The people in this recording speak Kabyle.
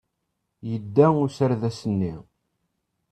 Yedda userdas-nni.